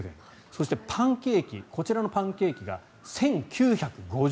そして、パンケーキこちらのパンケーキが１９５０円。